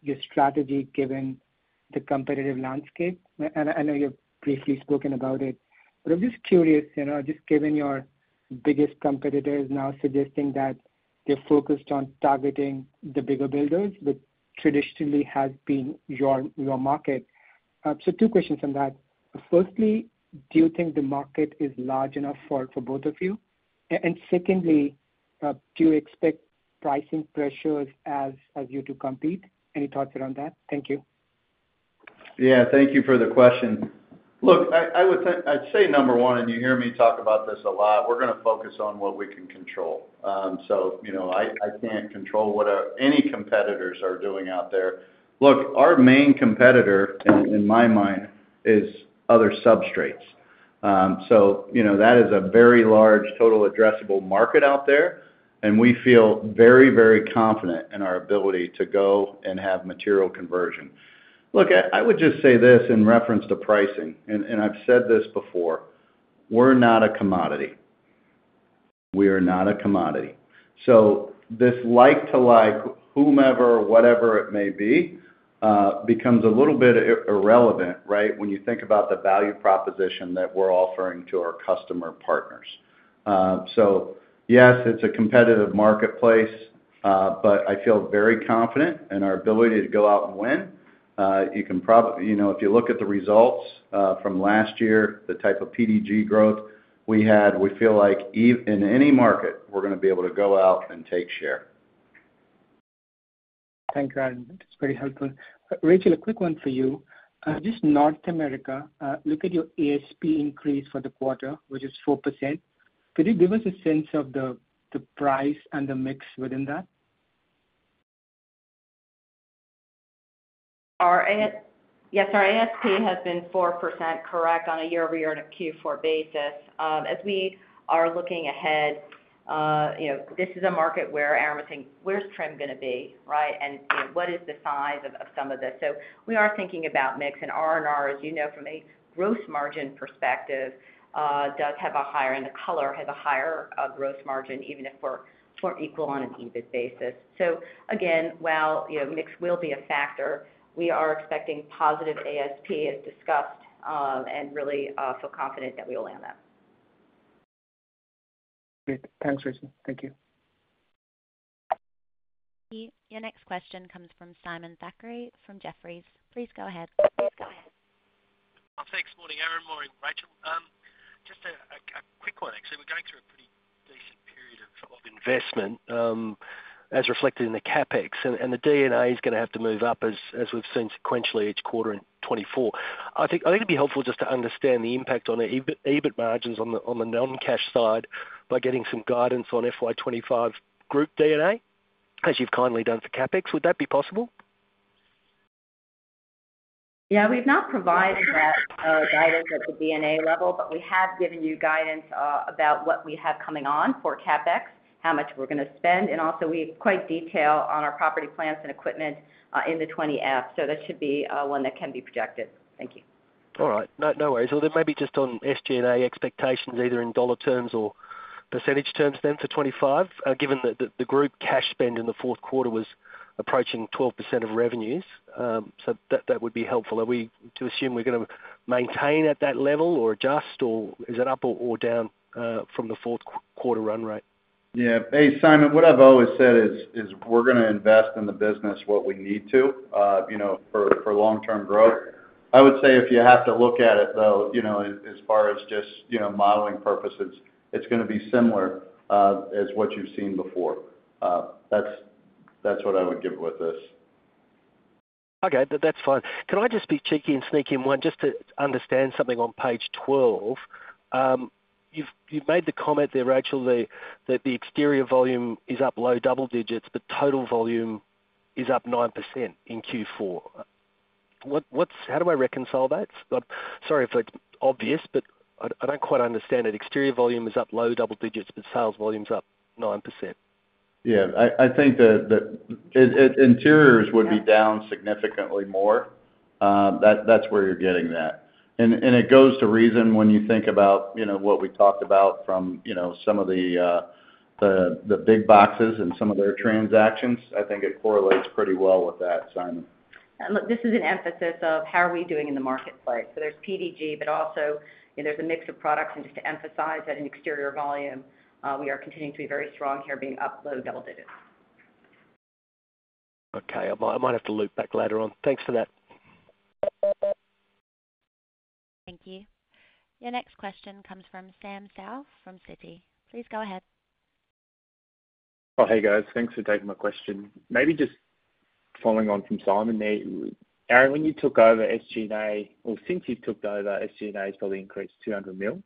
your strategy, given the competitive landscape. And I know you've briefly spoken about it, but I'm just curious, you know, just given your biggest competitor is now suggesting that they're focused on targeting the bigger builders, which traditionally has been your market. So two questions on that: firstly, do you think the market is large enough for both of you? And secondly, do you expect pricing pressures as you two compete? Any thoughts around that? Thank you. Yeah, thank you for the question. Look, I would say—I'd say number one, and you hear me talk about this a lot, we're gonna focus on what we can control. So, you know, I can't control what any competitors are doing out there. Look, our main competitor, in my mind, is other substrates. So, you know, that is a very large total addressable market out there, and we feel very, very confident in our ability to go and have material conversion. Look, I would just say this in reference to pricing, and I've said this before: we're not a commodity. We are not a commodity. So this like to like, whomever, whatever it may be, becomes a little bit irrelevant, right? When you think about the value proposition that we're offering to our customer partners. So yes, it's a competitive marketplace, but I feel very confident in our ability to go out and win. You can probably, you know, if you look at the results from last year, the type of PDG growth we had, we feel like even in any market, we're gonna be able to go out and take share. Thank you, Aaron. That's very helpful. Rachel, a quick one for you. Just North America, look at your ASP increase for the quarter, which is 4%. Could you give us a sense of the price and the mix within that? Our ASP has been 4%, correct, on a year-over-year and a Q4 basis. As we are looking ahead, you know, this is a market where everyone's saying, "Where's trend gonna be," right? "And, you know, what is the size of, of some of this?" So we are thinking about mix, and R&R, as you know, from a gross margin perspective, does have a higher and the color has a higher, gross margin, even if we're more equal on an EBIT basis. So again, while, you know, mix will be a factor, we are expecting positive ASP, as discussed, and really, feel confident that we will land that. Great. Thanks, Rachel. Thank you. Your next question comes from Simon Thackray from Jefferies. Please go ahead. Thanks. Morning, Aaron. Morning, Rachel. Just a quick one, actually. We're going through a pretty decent period of investment, as reflected in the CapEx, and the D&A is gonna have to move up as we've seen sequentially each quarter in 2024. I think it'd be helpful just to understand the impact on the EBIT, EBIT margins on the non-cash side by getting some guidance on FY 2025 group D&A, as you've kindly done for CapEx. Would that be possible? Yeah. We've not provided that guidance at the D&A level, but we have given you guidance about what we have coming on for CapEx, how much we're gonna spend, and also we provide detail on our property, plant and equipment in the 20-F. So that should be one that can be projected. Thank you. All right. No, no worries. Well, then maybe just on SG&A expectations, either in dollar terms or percentage terms, then to 2025, given that the group cash spend in the fourth quarter was approaching 12% of revenues. So that would be helpful. Are we to assume we're gonna maintain at that level or adjust, or is it up or down from the fourth quarter run rate? Yeah. Hey, Simon, what I've always said is, we're gonna invest in the business what we need to, you know, for long-term growth. I would say if you have to look at it, though, you know, as far as just, you know, modeling purposes, it's gonna be similar, as what you've seen before. That's what I would give with this. Okay. That's fine. Can I just be cheeky and sneak in one just to understand something on page 12? You've made the comment there, Rachel, that the exterior volume is up low double digits, but total volume is up 9% in Q4. What's... How do I reconcile that? But sorry if it's obvious, but I don't quite understand it. Exterior volume is up low double digits, but sales volume is up 9%. Yeah, I think that interiors would be down significantly more. That's where you're getting that. It goes to reason when you think about, you know, what we talked about from, you know, some of the big boxes and some of their transactions. I think it correlates pretty well with that, Simon. Look, this is an emphasis of how we are doing in the marketplace. So there's PDG, but also, you know, there's a mix of products. And just to emphasize that in exterior volume, we are continuing to be very strong here, being up low double digits. Okay. I might, I might have to loop back later on. Thanks for that. Thank you. Your next question comes from Samuel Seow from Citi. Please go ahead. Oh, hey, guys. Thanks for taking my question. Maybe just following on from Simon there. Aaron, when you took over SG&A, or since you took over SG&A, it's probably increased $200 million,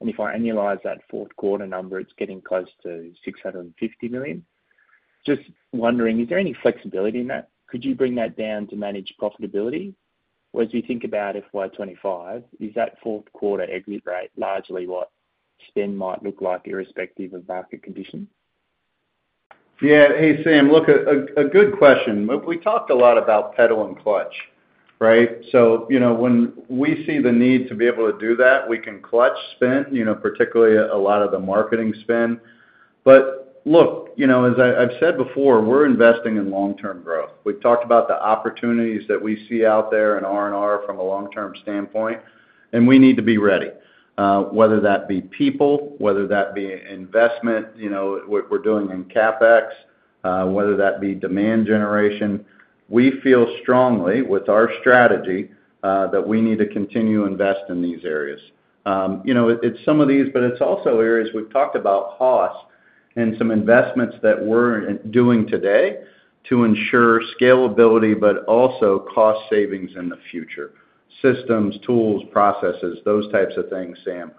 and if I annualize that fourth quarter number, it's getting close to $650 million. Just wondering, is there any flexibility in that? Could you bring that down to manage profitability? Well, as you think about FY 2025, is that fourth quarter SG&A rate largely what spend might look like irrespective of market conditions? Yeah. Hey, Sam, look, a good question. We talked a lot about pedal and clutch, right? So, you know, when we see the need to be able to do that, we can clutch spend, you know, particularly a lot of the marketing spend. But look, you know, as I, I've said before, we're investing in long-term growth. We've talked about the opportunities that we see out there in R&R from a long-term standpoint, and we need to be ready. Whether that be people, whether that be investment, you know, what we're doing in CapEx, whether that be demand generation. We feel strongly with our strategy that we need to continue to invest in these areas. You know, it's some of these, but it's also areas we've talked about costs and some investments that we're doing today to ensure scalability, but also cost savings in the future. Systems, tools, processes, those types of things, Sam.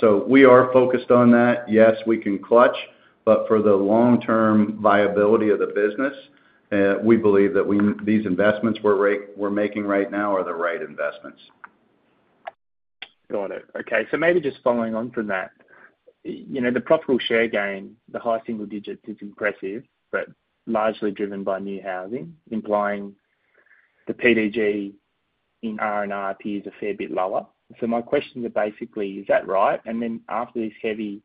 So we are focused on that. Yes, we can clutch, but for the long-term viability of the business, we believe that these investments we're making right now are the right investments. Got it. Okay, so maybe just following on from that, you know, the profitable share gain, the high single digit is impressive, but largely driven by new housing, implying the PDG in R&R appears a fair bit lower. So my question is basically, is that right? And then after this heavy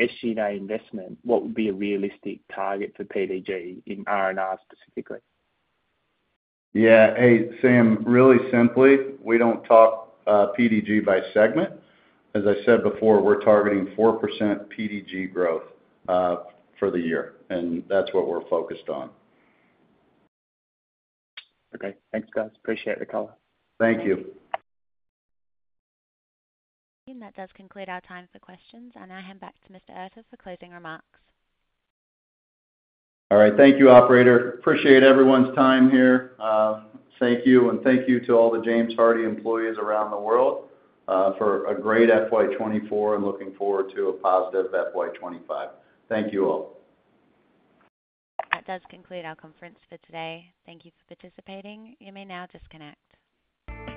SG&A investment, what would be a realistic target for PDG in R&R, specifically? Yeah. Hey, Sam, really simply, we don't talk PDG by segment. As I said before, we're targeting 4% PDG growth for the year, and that's what we're focused on. Okay. Thanks, guys. Appreciate the call. Thank you. That does conclude our time for questions. I now hand back to Mr. Erter for closing remarks. All right. Thank you, operator. Appreciate everyone's time here. Thank you and thank you to all the James Hardie employees around the world, for a great FY 2024, and looking forward to a positive FY 2025. Thank you, all. That does conclude our conference for today. Thank you for participating. You may now disconnect.